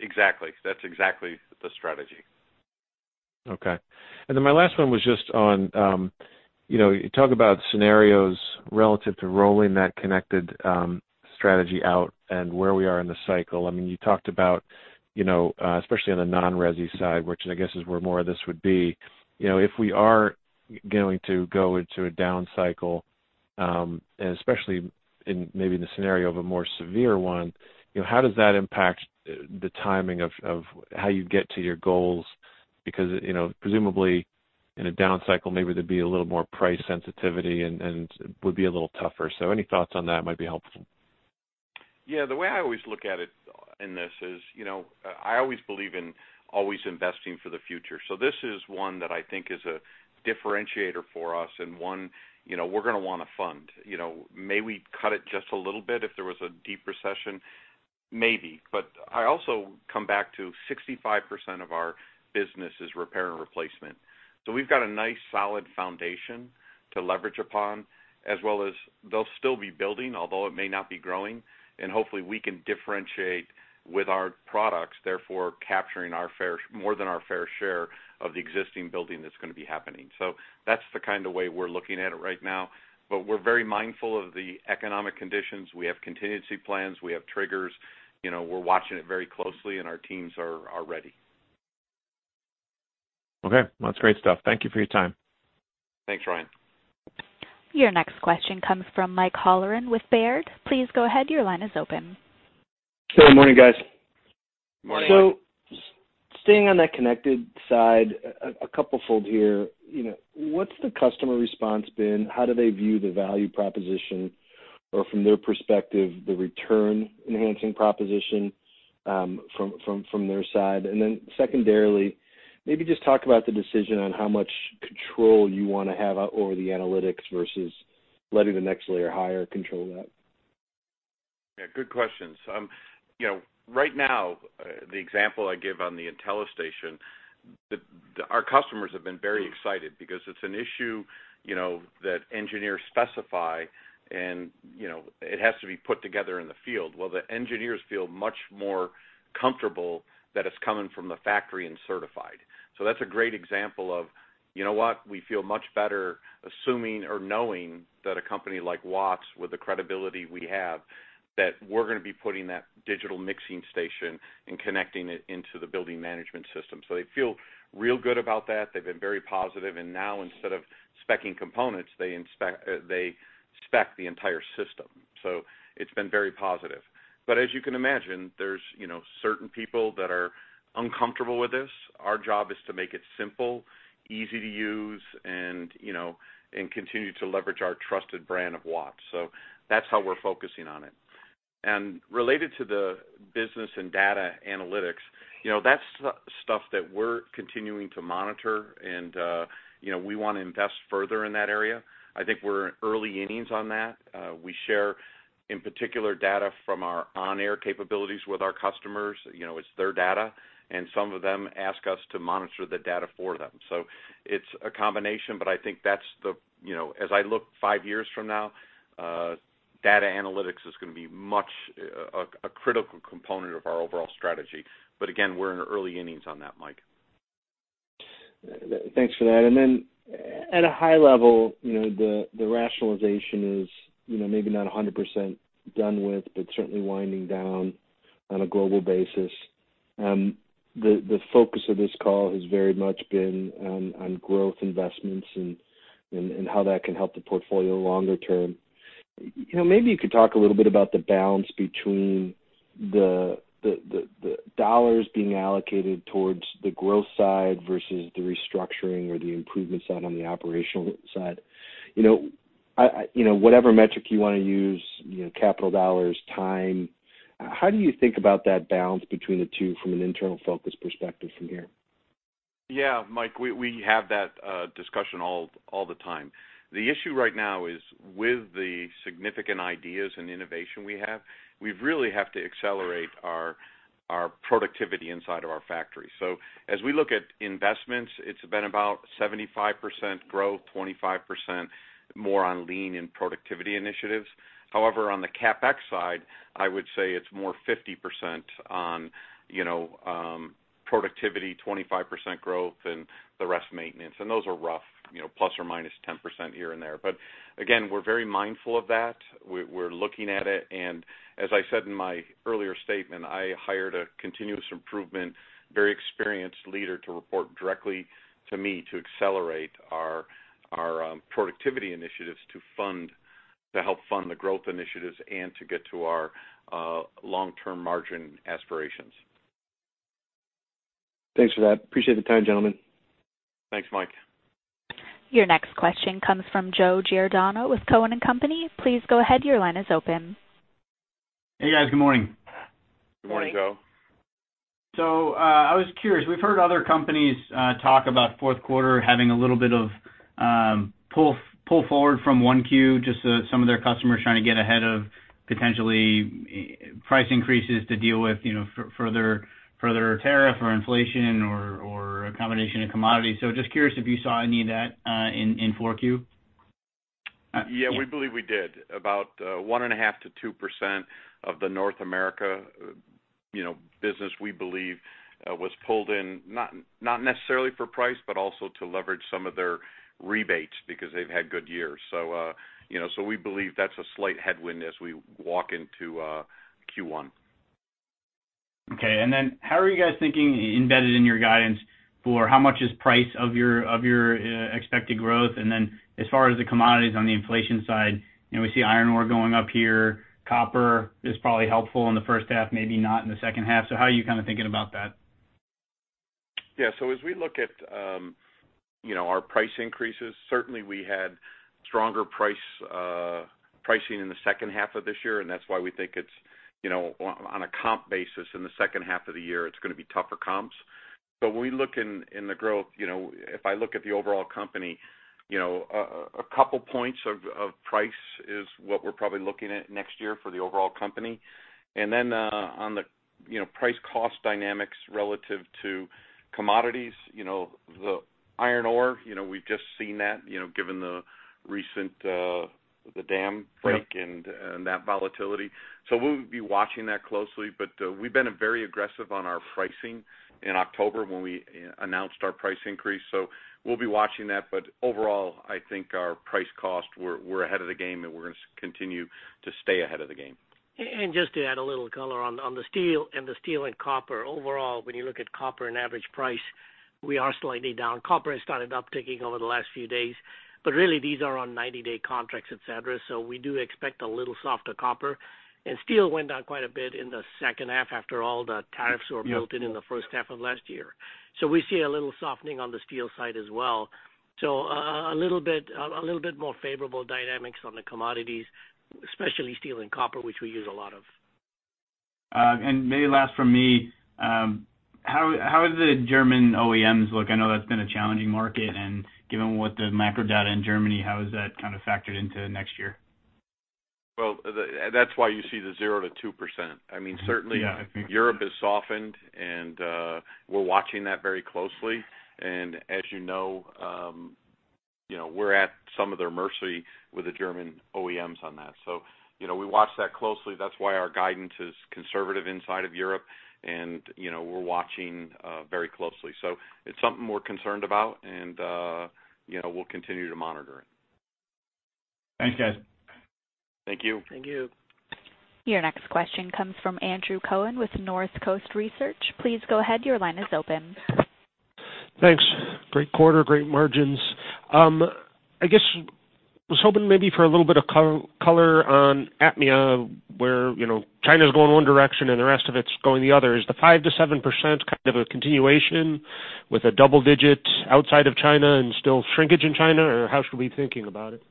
Exactly. That's exactly the strategy. Okay. And then my last one was just on, you know, you talk about scenarios relative to rolling that connected strategy out and where we are in the cycle. I mean, you talked about, you know, especially on the non-resi side, which I guess is where more of this would be, you know, if we are going to go into a down cycle, and especially in maybe the scenario of a more severe one, you know, how does that impact the timing of how you get to your goals? Because, you know, presumably in a down cycle, maybe there'd be a little more price sensitivity and would be a little tougher. So any thoughts on that might be helpful. Yeah, the way I always look at it in this is, you know, I always believe in always investing for the future. So this is one that I think is a differentiator for us and one, you know, we're gonna wanna fund. You know, may we cut it just a little bit if there was a deep recession? Maybe. But I also come back to 65% of our business is repair and replacement. So we've got a nice, solid foundation to leverage upon, as well as they'll still be building, although it may not be growing, and hopefully we can differentiate with our products, therefore capturing our fair-- more than our fair share of the existing building that's gonna be happening. So that's the kind of way we're looking at it right now. But we're very mindful of the economic conditions. We have contingency plans, we have triggers. You know, we're watching it very closely, and our teams are ready. Okay. Well, that's great stuff. Thank you for your time. Thanks, Ryan. Your next question comes from Mike Halloran with Baird. Please go ahead. Your line is open. Good morning, guys. Morning. So staying on that connected side, a couple fold here. You know, what's the customer response been? How do they view the value proposition, or from their perspective, the return-enhancing proposition, from their side? And then secondarily, maybe just talk about the decision on how much control you wanna have over the analytics versus letting the next layer higher control that. Yeah, good questions. You know, right now, the example I give on the IntelliStation, our customers have been very excited because it's an issue, you know, that engineers specify, and, you know, it has to be put together in the field. Well, the engineers feel much more comfortable that it's coming from the factory and certified. So that's a great example of, you know what? We feel much better assuming or knowing that a company like Watts, with the credibility we have, that we're gonna be putting that digital mixing station and connecting it into the building management system. So they feel real good about that. They've been very positive, and now instead of spec-ing components, they spec the entire system. So it's been very positive. But as you can imagine, there's, you know, certain people that are uncomfortable with this. Our job is to make it simple, easy to use, and, you know, continue to leverage our trusted brand of Watts. So that's how we're focusing on it. Related to the business and data analytics, you know, that's stuff that we're continuing to monitor, and, you know, we wanna invest further in that area. I think we're in early innings on that. We share, in particular, data from our onAER capabilities with our customers. You know, it's their data, and some of them ask us to monitor the data for them. So it's a combination, but I think that's the... You know, as I look five years from now, data analytics is gonna be much a critical component of our overall strategy. But again, we're in the early innings on that, Mike. Thanks for that. And then at a high level, you know, the rationalization is, you know, maybe not 100% done with, but certainly winding down on a global basis. The focus of this call has very much been on growth investments and how that can help the portfolio longer term. You know, maybe you could talk a little bit about the balance between the dollars being allocated towards the growth side versus the restructuring or the improvement side on the operational side. You know, whatever metric you wanna use, you know, capital dollars, time, how do you think about that balance between the two from an internal focus perspective from here? Yeah, Mike, we have that discussion all the time. The issue right now is, with the significant ideas and innovation we have, we really have to accelerate our productivity inside of our factory. So as we look at investments, it's been about 75% growth, 25% more on lean and productivity initiatives. However, on the CapEx side, I would say it's more 50% on, you know, productivity, 25% growth, and the rest, maintenance. And those are rough, you know, ±10% here and there. But again, we're very mindful of that. We're looking at it, and as I said in my earlier statement, I hired a continuous improvement, very experienced leader to report directly to me to accelerate our productivity initiatives, to help fund the growth initiatives and to get to our long-term margin aspirations. Thanks for that. Appreciate the time, gentlemen. Thanks, Mike. Your next question comes from Joe Giordano with Cowen and Company. Please go ahead. Your line is open. Hey, guys. Good morning. Good morning, Joe. So, I was curious, we've heard other companies talk about fourth quarter having a little bit of pull forward from 1Q, just so some of their customers trying to get ahead of potentially price increases to deal with, you know, further tariff or inflation or a combination of commodities. So just curious if you saw any of that in 4Q? Yeah, we believe we did. About 1.5%-2% of the North America business, you know, we believe was pulled in not necessarily for price, but also to leverage some of their rebates because they've had good years. So, you know, we believe that's a slight headwind as we walk into Q1. Okay. And then how are you guys thinking embedded in your guidance for how much is price of your expected growth? And then as far as the commodities on the inflation side, you know, we see iron ore going up here. Copper is probably helpful in the first half, maybe not in the second half. So how are you kind of thinking about that? Yeah, so as we look at, you know, our price increases, certainly we had stronger price pricing in the second half of this year, and that's why we think it's, you know, on a comp basis, in the second half of the year, it's gonna be tougher comps. But when we look in the growth, you know, if I look at the overall company, you know, a couple points of price is what we're probably looking at next year for the overall company. And then, on the, you know, price cost dynamics relative to commodities, you know, the iron ore, you know, we've just seen that, you know, given the recent, the dam break- Yep - and that volatility. So we'll be watching that closely, but we've been very aggressive on our pricing in October when we announced our price increase, so we'll be watching that. But overall, I think our price cost, we're ahead of the game, and we're gonna continue to stay ahead of the game. And just to add a little color on the steel and copper. Overall, when you look at copper and average price, we are slightly down. Copper has started upticking over the last few days, but really, these are on 90-day contracts, et cetera, so we do expect a little softer copper. And steel went down quite a bit in the second half after all the tariffs were built in- Yep in the first half of last year. So we see a little softening on the steel side as well. So a little bit more favorable dynamics on the commodities, especially steel and copper, which we use a lot of. Maybe last from me, how does the German OEMs look? I know that's been a challenging market, and given what the macro data in Germany, how is that kind of factored into next year? Well, that's why you see the 0%-2%. I mean, certainly- Yeah... Europe has softened, and, we're watching that very closely. And as you know, you know, we're at some of their mercy with the German OEMs on that. So, you know, we watch that closely. That's why our guidance is conservative inside of Europe, and, you know, we're watching, very closely. So it's something we're concerned about, and, you know, we'll continue to monitor it. Thanks, guys. Thank you. Thank you. Your next question comes from Andrew Cohen with Northcoast Research. Please go ahead. Your line is open. Thanks. Great quarter, great margins. I guess was hoping maybe for a little bit of color on APMEA, where, you know, China's going one direction and the rest of it's going the other. Is the 5%-7% kind of a continuation with double digits outside of China and still shrinkage in China, or how should we be thinking about it?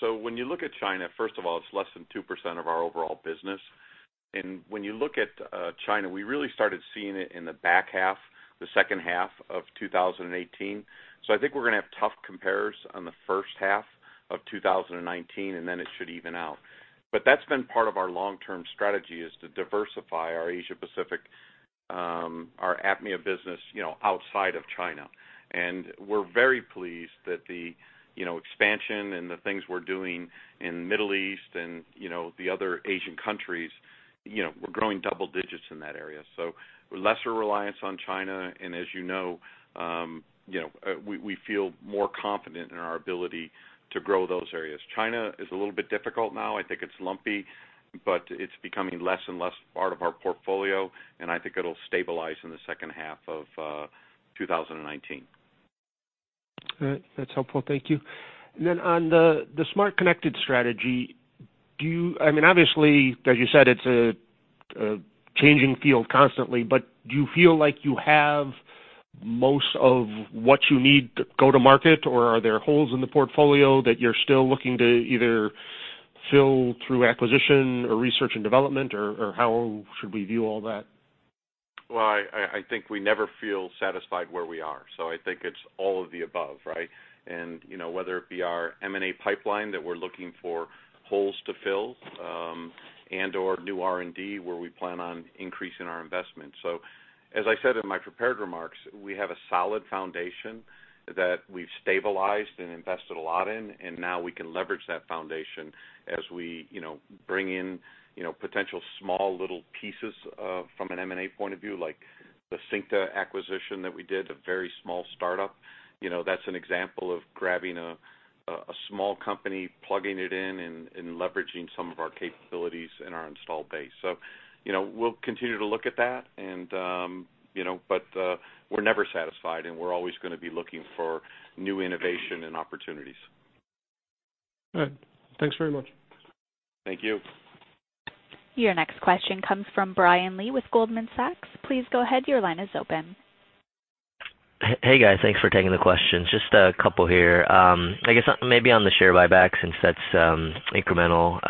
So when you look at China, first of all, it's less than 2% of our overall business. And when you look at China, we really started seeing it in the back half, the second half of 2018. So I think we're gonna have tough compares on the first half of 2019, and then it should even out. But that's been part of our long-term strategy, is to diversify our Asia Pacific, our APMEA business, you know, outside of China. And we're very pleased that, you know, the expansion and the things we're doing in Middle East and, you know, the other Asian countries, you know, we're growing double digits in that area. So lesser reliance on China, and as you know, you know, we feel more confident in our ability to grow those areas. China is a little bit difficult now. I think it's lumpy, but it's becoming less and less part of our portfolio, and I think it'll stabilize in the second half of 2019. All right. That's helpful. Thank you. And then on the, the smart connected strategy, do you, I mean, obviously, as you said, it's a, a changing field constantly, but do you feel like you have most of what you need to go to market, or are there holes in the portfolio that you're still looking to either fill through acquisition or research and development, or, or how should we view all that? Well, I think we never feel satisfied where we are, so I think it's all of the above, right? And, you know, whether it be our M&A pipeline that we're looking for holes to fill, and/or new R&D, where we plan on increasing our investment. So as I said in my prepared remarks, we have a solid foundation that we've stabilized and invested a lot in, and now we can leverage that foundation as we, you know, bring in, you know, potential small, little pieces, from an M&A point of view, like the Syncta acquisition that we did, a very small startup. You know, that's an example of grabbing a small company, plugging it in, and leveraging some of our capabilities and our installed base. So, you know, we'll continue to look at that, and, you know, but, we're never satisfied, and we're always gonna be looking for new innovation and opportunities. Good. Thanks very much. Thank you. Your next question comes from Brian Lee with Goldman Sachs. Please go ahead. Your line is open. Hey, guys. Thanks for taking the questions. Just a couple here. I guess, maybe on the share buyback, since that's incremental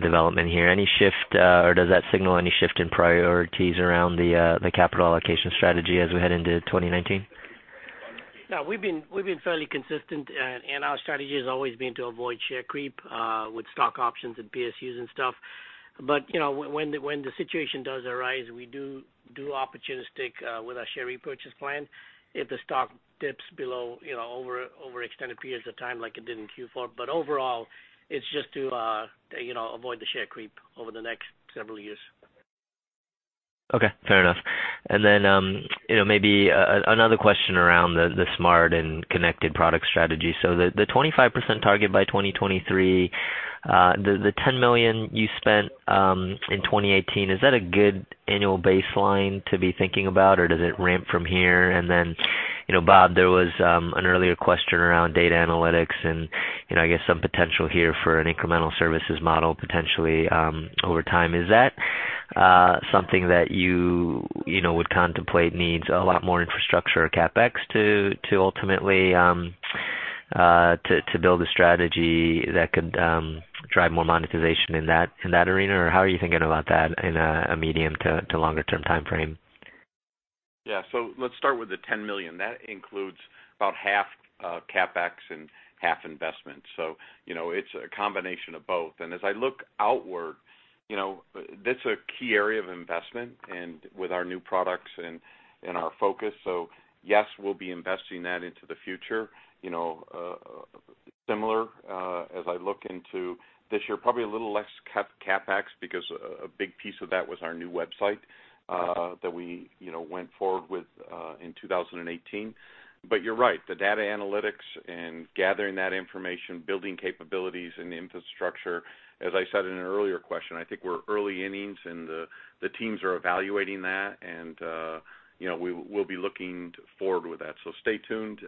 development here, any shift or does that signal any shift in priorities around the capital allocation strategy as we head into 2019? No, we've been fairly consistent, and our strategy has always been to avoid share creep with stock options and PSUs and stuff. But, you know, when the situation does arise, we do opportunistic with our share repurchase plan if the stock dips below, you know, over extended periods of time, like it did in Q4. But overall, it's just to, you know, avoid the share creep over the next several years. ... Okay, fair enough. And then, you know, maybe, another question around the, the smart and connected product strategy. So the, the 25% target by 2023, the, the $10 million you spent, in 2018, is that a good annual baseline to be thinking about, or does it ramp from here? And then, you know, Bob, there was, an earlier question around data analytics and, and I guess some potential here for an incremental services model potentially, over time. Is that, something that you, you know, would contemplate needs a lot more infrastructure or CapEx to, to ultimately, to, to build a strategy that could, drive more monetization in that, in that arena? Or how are you thinking about that in a, a medium to, longer term timeframe? Yeah. So let's start with the $10 million. That includes about half CapEx and half investment. So, you know, it's a combination of both. And as I look outward, you know, this a key area of investment and with our new products and our focus. So yes, we'll be investing that into the future. You know, similar, as I look into this year, probably a little less CapEx, because a big piece of that was our new website that we, you know, went forward with in 2018. But you're right, the data analytics and gathering that information, building capabilities and infrastructure, as I said in an earlier question, I think we're early innings, and the teams are evaluating that, and, you know, we'll be looking forward with that. So stay tuned.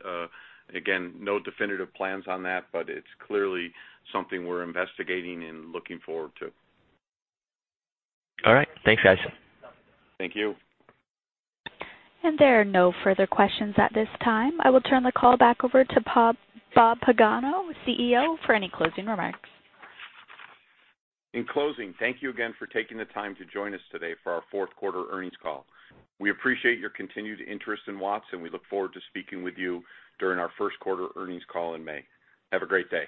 Again, no definitive plans on that, but it's clearly something we're investigating and looking forward to. All right. Thanks, guys. Thank you. There are no further questions at this time. I will turn the call back over to Bob, Bob Pagano, CEO, for any closing remarks. In closing, thank you again for taking the time to join us today for our fourth quarter earnings call. We appreciate your continued interest in Watts, and we look forward to speaking with you during our first quarter earnings call in May. Have a great day.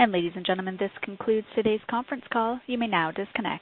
Ladies and gentlemen, this concludes today's conference call. You may now disconnect.